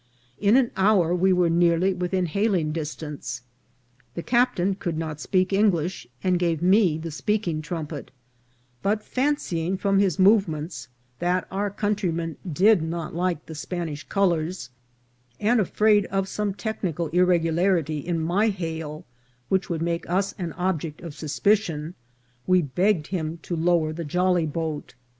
In an hour we were nearly with in hailing distance ; the captain could not speak Eng ish, and gave me the speaking trumpet ; but fancying, from his movements, that our countryman did not like he Spanish colours, and afraid of some technical irreg ularity in my hail, which would make us an object of suspicion, we begged him to lower the jolly boat.